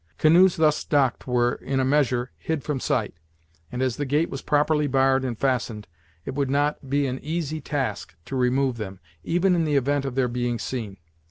Canoes thus docked were, in a measure, hid from sight, and as the gate was properly barred and fastened, it would not be an easy task to remove them, even in the event of their being seen.